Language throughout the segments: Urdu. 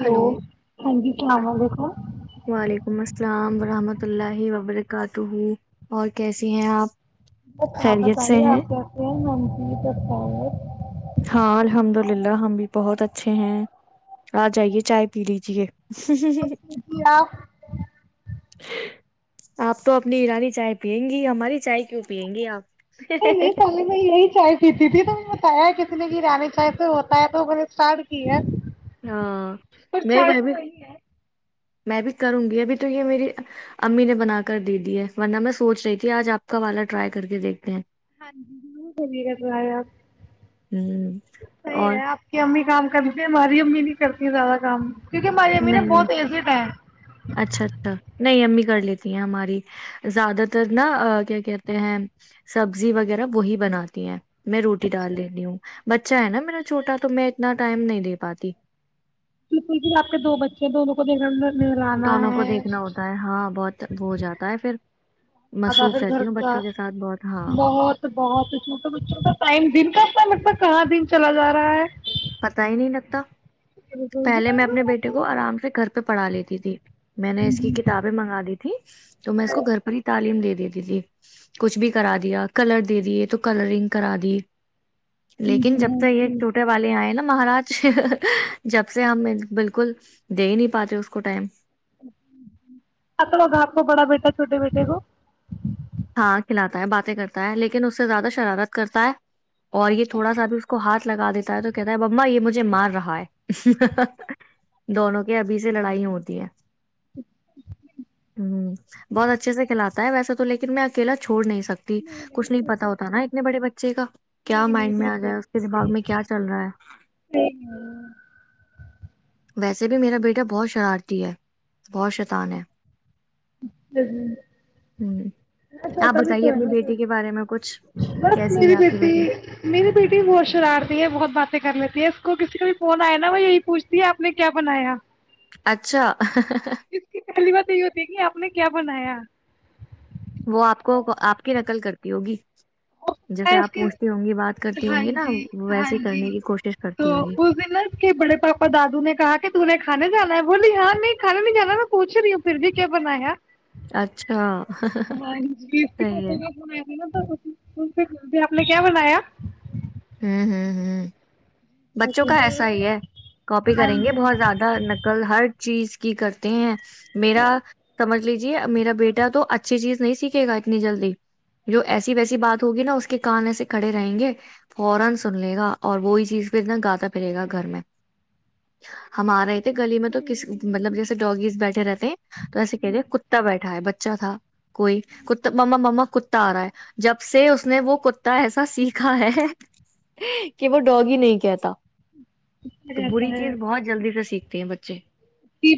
ہلو ہاں جی السلام علیکم وعلیکم السلام ورحمۃ ب الی وبرکاتہ ہ اور کیسی ہیں آپ بس آپ خیریت سے بتائیے ہیں آپ کیسے ہیں ہم کی کرتے ہیں ہاں الحمد للہ ہم بھی بہت اچھے ہیں آ جائیے چائے پی لیجے ہ بس جی آپ [unintelligible] آپ تو اپنی ایرانی چائے پیئیں گی ہماری چائے کیوں پیئیں گی آپ نہیں نہیں پہلے میں یہی چائے پیتی تھی تو نے بتایا کہ رہانی چاہی پ ہوتا ہے تو نے اسٹارٹ کی ہے ہاں پر نہیں چائے بھائی تو بھی میں بھی کروں گی ابھی تو یہ میری امی نے بنا کر د دی ہے ورنہ میں سوچ رہی تھی آج آپ کا والا ٹرائی کر کے دیکھتے ہیں ہاں جی صحح کر رہا ہے آپ ہ صحیح اور ہے آپ کی امی کام کرتے ہماری امی نہیں کرتی زیادہ کام کیونکہ ہماری امی نا نہیں بہت ایزڈ ہے اچھا اچھا نہیں امی کر لیتی ہیں ہماری زیادہ تر نا کیا کہتے ہیں سبزی وغیرہ وہی بناتی ہیں میں روٹی ڈال لی ہوں ب اچھا ہے نا میرا چھوٹا تو میں اتنا ٹائم نہیں دے پاتی بالکل ج آ کے دو بچے ہیں دونوں کو دیکھا ملانا دونوں کو ہے دیکھنا ہوتا ہے ہاں بہت وہ ہو جاتا ہے پھر زدہ پھر مصروف گھر رہتی ہوں کا بچوں کے ساتھ بہت ہاں بہت بہت چھوٹے بچوں کا ٹائم دن کا اپ م کہاں دن چلا جا رہا ہے پتا ہی نہیں لگتا بالکل پہلے میں اپنے بیٹے کو ہاں آرام سے گھر پہ پڑھا لیتی تھی میں نے اس کی جی کتابیں منگا دی تھھی تو میں اس کو گھر پر ہی تعلیم دے دیتی تھی کچھ بھی کرا دیا کلر دے دیے تو کلرنگ کرا دی لیکن جی جب تک یہ اوکے ٹوٹے والے آئے نا مہاراج جب سے ہم بالکل دے ہی نہیں پاتے اس کو ٹائم اپڑ گھاپ کو بڑا بیٹا چھوٹے بیٹے کو ہاں کھلاتا ہے باتیں کرتا ہے لیکن اس سے زیادہ شرارت کرتا ہے اور یہ تھوڑا سا اب اس کو ہاتھ لگا دیتا ہے تو کہتا ہے بما یہ مجھے مار رہا ہے دونوں کے ابھی سے لڑائی ہوتی ہے ہ بہت اچھے کھلات ہے ویسے تو لیکن میں اکیلا چھوڑ نہیں ستا سکتی کچھ نہیں پتا ہوتا نا اتنے بڑے بچے کا کیا نہیں نہیں مائنڈ میں آ جائے اس دیکھیے کے دماغ میں کیا چل رہا ہے ویسے بھی میرا بیٹا بہت شرارتی ہے بہت شیطان ہے ہ ہ ہ آپ چھوٹا بھی بتائیے تو اپنی ہے بیٹی کے بارے میں کچھ بس کیسی ہے میری آپ کی بیٹی میری بیٹی بہت شرارتی ہے بہت باتیں کرنےتی ہے اس کو کسی کا بھی فون آیا نا وہ یہی پوچھتی آپ نے کیا بنایا اچھا اس کی پہلی بات یہی ہوتی ہے کہ آپ اس نے کیا بنایا وہ آپ کو آپ کی نقل کرتی ہوگی ہو جیسے آپ پوچھتی ہوں گی بات کرتی ہوں ہاں گی نا جی وہ ہاں ویسے ہی جی کرنے کی کوشش تو کرتی ہوگی اس دن نا اس کے بڑے پاپا دادو نے کہا کہ دیں کھانے جانا بولی ہاں نہیں کھانا نہیں جانا نہ پوچ رہی ہوں پھر بھی کیا بنایا اچھا ہاں صحیح پپو ہے کاا بونئے گ نا آپ نے کیا بنایا [inaudible] ہم ہم ہم ہم بچوں ایسے کا ایسا ہی ہے کاپی ہاں کریں گے جی بہت زیادہ نقل ہر چیز کی کرتے ہیں میرا سمجھ لیجیے میرا بیٹا تو اچھی چیز نہیں سیکھے گا اتنی جلدی جو ایسی ویسی بات ہوگی نا اس کے کان میں سے کھڑے رہیں گے فورا سن لے گا اور وہی چیز پھرنا گاتا پھرے گا گھر میں ہم آ رہے تھے گلی میں تو کس مطلب جیسے ڈاگزیذ بیٹھے رہتے تو ایسے کہہ رہے ہیں کتا بیٹھا ہے اچھا تھا کوئی کت مما مما کت آ رہا ہے جب سے اس نے وہ کتا ایسا سیکھا ہے کہ وہ ڈوگی نہیں کہ تھا تو رہتا بری چیز بہت جلدی سے سیکھتی تے ہیں بچے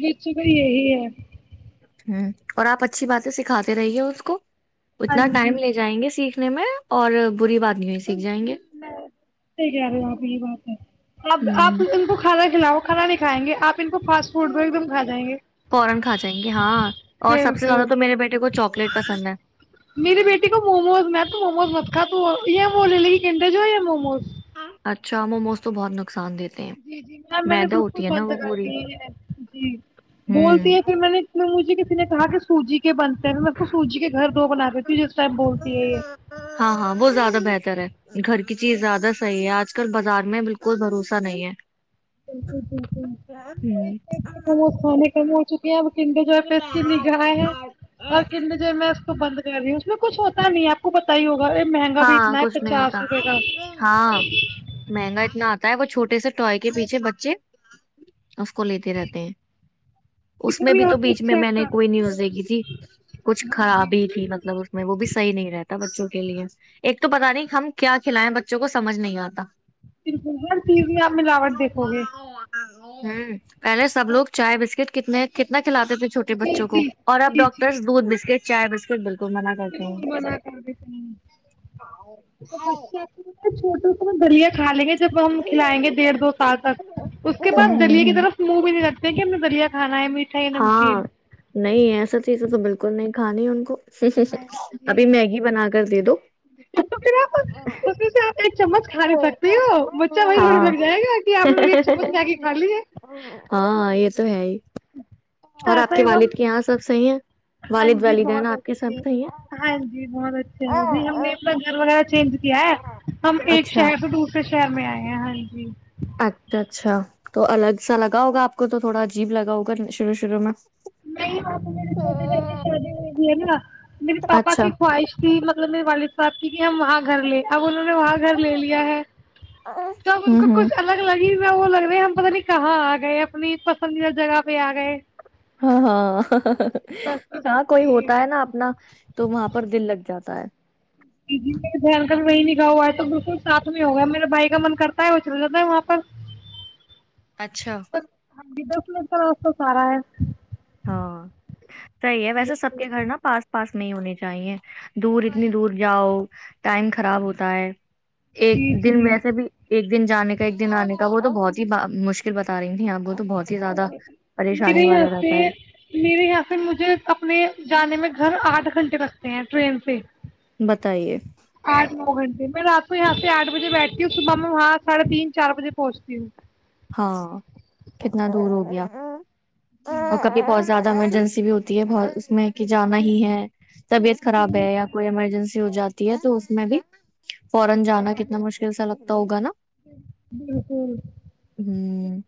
بچے یہی ہے [inaudible] ہم اور اپ اچھی باتیں سکھاتے رہیے اس کو ہاں اتنا ٹائم جی لے جائیں گے سیکھ اور بری بات نہیں ہوئی اس [inaudible] سیکھ جائیں گے میں صحیح کہہ رہے ہو اپ یہ بات ہے اب آپ ہوں ان کو کھانا نہ وہ کھانا نہیں کھائے گے آپ ان کو فاسٹ فوڈ کو ایک دم کھا جائیں گے فورن کھا جائیں گے ہاں اور سب سے بالکل زیادہ تو میرے بیٹے کو چاکلیٹ پسند ہے میری بیٹے کو موموز میں تو موموز مت تو یہ بولنے لگی کنڈر جوای یا مووموز اچھا موموز تو بہت نقصان دتے جی جی میم میں نے بالکل بند کر پوری دی ہیں جی بولتی ہوں ہے پھر میں نے مجھے نے کہا کہ سوجی کے بن میم میں اس کو سوجی کے گھر دو بنا دیتی ہوں جس ٹائم بولتی ہےیہ ہاں ہاں وہ زیادہ بہتر ہے گھر کی چیز زیادہ صحیح ہے آج آج کل بازار میں بالکل بھروسہ نہیں ہے وہ ہوں اپنے اتنےموموذموموذکھانے کے بعد [inaudible] پر کنی د میں کو بند کر رہی اس میں کچھ ہوتا نہیں آپ کو بت ہی ہو ہاں کچھ نہیں ہوتا ہاں مہنگا اتنا آتا ہے وہ چھوٹ چھٹے سے ٹوائے کے پیچھے بچے اس کو لیتے رہتے ہیں اس اتنا میں بھی تو آپ نے بیچ میں میں چیک نے کوئی کرنا نیوز دیکھی تھی کچھ ہاں خراب جی ہی تھی مطلب اس میں وہ بھی صحی نہیں رہتا بچوں کے لیے [unintelligible] ایک تو پتا نہیں ہم کیا کھلائیں بچوں کو سمجھ نہیں آتا بالکل ہر چیز میں آپ ملاوٹ دیکھو گے ہ پہلے سب ہاں لوگ چائ بسکٹ کتنے کتنا کھیلاتے تھے چھوٹے بچوں کو اور اب ڈاکٹرس دودھ بسکٹ چای بسکٹ بالکل بالکل منع کر دتے ہے ہاں چھوٹے میں دلیہ کھا لے گے جب ہم کھلائیں گے ڈیڑھ دو سال تک اس کے بعد دلییا کی ہوں طرف منہ بھی نہیں لگتے م ب دیا کانا ہے م ہاں نہیں ایسا چیز تو بالکل نہیں کہانی ان کو ا ابھی میگی بنا کر دے دو تو پھر آپ اس میں سے آپ ایک چمچ کھا نہیں سکتی ہو بچہ وہی تھوڑنے ہاں لگ جائے گا کہ آپ نے ایک چمچ جا کے کھا لیی ہے ہاں یہ تو ہے ہی اور ا آپ کے والد کے یہاں سب صحیح ہیں ہاں والد جی والدین بہت آپ کے اچھے سب صحیح ہاں جی بہت اچھا وہ ہم نے اپنا گھرگایا چینج کیا ہے ہم ہیں ایک اچھا شہر کو دوسرے ش میں آئے ہیں ہاں جی اچھا اچھا تو الگ سا لگا ہوگا آپ کو تو تھوڑا عجیب لگا ہوگا شروع شروع میں نہیں تو میرے چھوٹے بھائیی شادی ہوئی بھی ہے نا میرے پاپا اچھا کی خواہش تھی مطلب میرے والی سات تھی کہ ہم وہاں گھر لیں اب ان نے وہاں گھر لے لیا ہے تب ان ہوں کو ہوں کچھ الگ الگ ج میں وہ لگ رہا ہم پت نہیں کہاں آ گئے اپنی پسندیدہ جگہ پہ آ گئے ہاں ہاں ہاں کوئی ہوتا ہے نا اپنا تو وہاں پر دل لگ جاتا س ہے [inaudible] جی دھیان کر وہی نکھا ہوا ہے تو بالکل ساتھ میں ہوگیا میرے بھائی کا من کرتا ہے وہ چل جاتا ہے وہاں پر اچھا ہاں جی دس میںو س تو سارا ہے ہاں صحیح ہے ویسے سب کے گھر نا پاس پاس نہیں ہونی چاہیے دور اتنی دور جاؤ ٹائم خراب ہوتا ہے ایک جی دن جی ویسے بھی ایک دن جان کا ایک دن آنے کا وہ تو بہت ہی مشکل بتا رہی تھھی آپ وہ تو بہت ہی زیادہ پریشانی میرے یہاں والا رہتا ہے میرے یہاں سے مجھے اپنے جانے میں گھر آٹھ گھنٹے لگتے سے ہیں ٹرین سے بتائیے آٹھ نو گھنٹے میں رات کو یہاں سے آٹھ بجے بیٹھتی ہوں صبح میں وہاں سڑھے تین چار بجے پہنچتی ہوں ہاں کتنا دور ہو گیا وہ کبھی پہنچ زیادہ ایمرجنسی بھی ہوتی ہے بہت اس میں کہ جانا ہی ہے طبیعت خراب ہے یا کوئی ایمرجنسی ہو جاتی ہے تو میں بھی بالکل [unintelligible] ہوں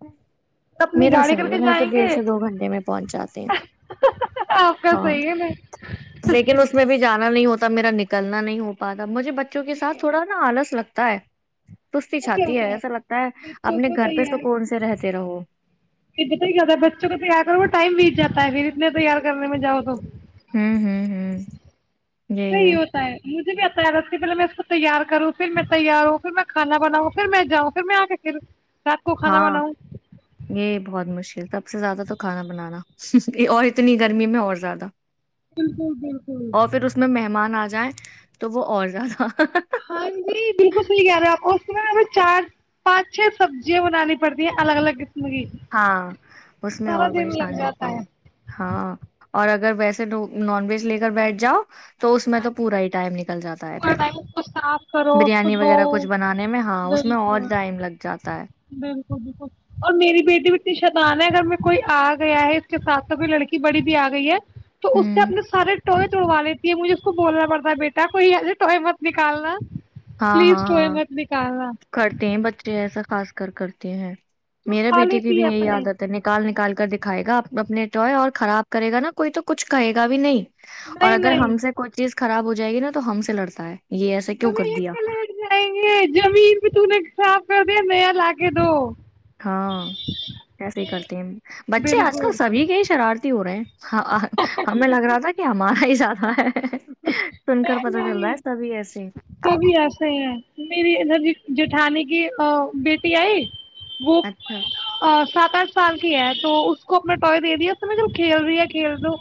اپنی میرا گاڑی کر صحیح ہے کے میں تو جائیں ڈیھ گے سے دو گھنٹے میں پہنچاتے ہیں آپ کا ہاں صحیح ہے میں لیکن اس میں بھی جانا نہیں ہوتا تو میرا نکلنا نہیں ہو پا ب مجھے بچوں کے ساتھ تھوڑا نا آلس لگتا ت سستی چھاتی ہے ایسا لگتا ہے [inaudible] [unintelligible] اپنے جتا گھر پہ سکون سے رہتے رہو ہے پھر اتنے تیار کرنے میں جاؤ تو ہوں ہوں ہوں نہیںی ہوتا ہے مجھ بھی آتا ہے رہ پلے میں اس کو تیار کروں پھر میں تیار ہوں پھر میں کھانا بناؤں پھر میں جاؤں پھر میں آ کے پھر رات کو کھانا ہاں بناؤں یہ بہت مشکل سب سے زیادہ تو کھانا بنانا سی اور اتنی گرمی میں اور زیادہ اور پھر اس میں مہمان آ جائیں تو وہ اور زیادہ ہاں جی بالکل صحی کہہ رہے کو ہمیں چار پانچ چھ سبزیاں بنانی پڑتی ہیں الگ الگ قسم کی ہاں اس میں اور پریشانی ہوتی ہے ہاں اور اگر ویسے نان ویج لے کر بیٹھ جاؤ تو اس میں تو پورا ہی ٹائم نکل جاتا ہے پورا پھر ٹائم اس کو صاف کرو اس کو بریانی وغیرہ دھو کچھ بنانے میں ہاں اس میں بالکل اور ٹائم لگ جاتا ہے بالکل بالکل اور میری بیٹی بھی اتنی شطان ہے اگر میں کوئی آ گیا ہے اس کے ساتھ س لڑکی بڑی بھی آ گئی ہے تو اس سے ہوں اپنے سارے ٹوہے توڑوا لیتی ہے مجھے اس کو بولنا پڑتا ہے بیٹا کوئی ایسے ٹہے مت نکالنا ہاں پلیز ہاں ٹوئے ہاں مت نکالنا کرتے ہیں بچے ایسا خاص کر کرتے ہیں میرے توڑوا بیٹی کی لیتی بھی ہے یہی اپنے عادت ہے نکال نکال کے دکھائے گا اپنے تو ہے اور خراب کرے گا نا کوئی تو کچھ کہے گا بھی نہیں اور نہیں اگر نہیں ہم سے کوئی چیز خراب ہو ج جائے گی نا تو ہم سے لڑتا ہے یہ ایسا کیوں کر لٹ جائیں گے زمین بھی تو ن صاف کر د نیا لگے دو ہاں ایسے ہی کرتے ہیں بچے آج کل بالکل سبھی کے ہی شرارتی ہو رہے ہیں ہاں ہمیں لگ رہا تھا کہ ہمارا ہی سھہ ہے ہاں سن کر پتا چل رہتا ہے سبھی ایسے کا بھی ایسے ہی ہے میری ادر جی جٹھان کی بیٹی آئی وہ اچھا سات دس سال کی ہے تو اس کو اپنا ٹائے دے دیا اس میں جب کھیل رہی ہے کھیل دو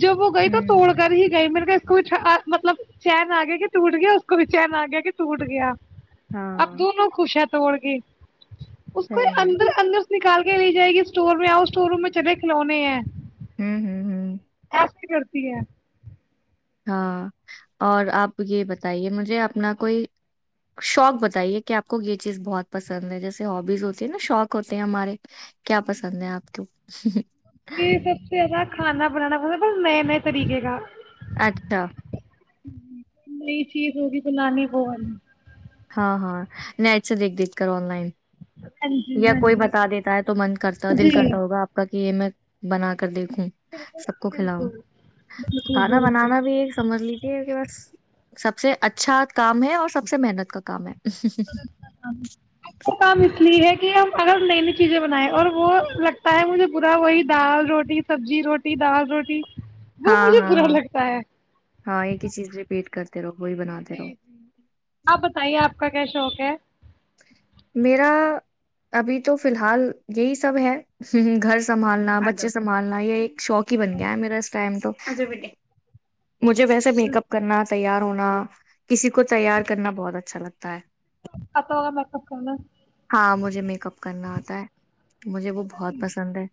جب وہ گئی تو ہوں توڑ کر ہی گئی میرے کچھ مطلب چین آگے کہ ٹوٹ گیا کو بچار آ گیا کہ ٹوٹ گیا اب ہاں دونوں خوش ہیں توڑ گ اس کو صحیح ہے اندر اندر نکال کے لی جائے گی اسٹور میں آؤ اسٹور روم میں چلے کھلونے ہیں ہوں ہوں ہوں آپ [inaudible] پیا ہاں اور اپ یہ بتائیے مجھے اپنا کوئی شوق بتائیے کہ اپ کو یہ چیز بہت پسند ہے جیسے ابیز ہوتی ہے نا شوق ہوتے ہیں ہمارے کیا پسند ہیں اپ کو کہ سب سے را کھانا بنانا پسند بس نئے نئے طریقے کا اچھا نئی چیز ہوگی بلانی پ ہاں ہاں نیٹ سے دیکھ دیکھ کر آن لائن یا ہاں جی کوئی بتا دیتا ہے تو من کرتا دل کرتا ہوگا آپ کا کہ یہ میں بنا دیکھوں سب کو کھلاؤں کھانا بنانا بھی ایک سمجھ لیجیے کہ بس سب سے اچھا کام ہے اور سب سے محنت کا کام ہے [inaudible] یہ اگر نئی نئی چیزیں بنائیں اور وہ لگتا ہے مجھے برا وہی دال روٹی سبزی روٹی دال روٹی وہ ہاں مجھے ہاں برا ہاں لگتا ہے ہاں ایک ہی چیز ریپیٹ کرتے تیرو جی جی آپ بتائیے آپ کا کیا شوق ہے کیا میرا ابھی تو فی الحال یہی سب ہے گھر سے سنبالنا بچے سنبھالنا لائی شوق ہی بن گیا ہے میرا اس ائم تو [inaudible] مجھے ویسے میک اپ کرنا تیار ہونا کسی کو تیار کرنا بہت اچھا لگتا ہے تا آپا میں پک نا مجے میک اپ کرنا آتا ہے مجھے وہ بہت پسند ہے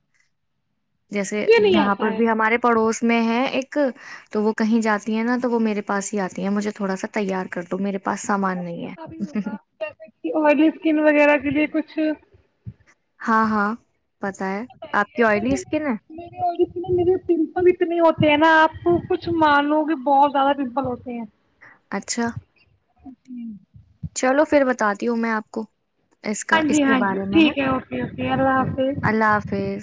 جیسے یہ نہیں یہاں آتا پر ہے بھی ہمارے پڑوس میں ہے ایک تو وہ کہیں جاتی ہے نا تو وہ میرے پاس ہی آتی ہے مجھے تھوڑا سا تیار کر دو میرے پا تو پھر سب کو پتا بھی ہوگا جیسے کہ آئلی اسکن وغیرہ کے لیے کچھ ہاں ہاں پتا ہے آپ کی آئلی اسکن ہے میرے پرنپل اتنے ہوتے ہیں نا آپ تو کچھ مانو کہ بہت زیادہ پمپل ہوتے ہیں اچھا [inaudible] چلو پھر بتاتی ہوں میں آپ کو اس کا ہاں اس جی کے ہاں جی بارے میں ٹھیک ہے نا اوکے اوکے اللہ حافظ اللہ حافظ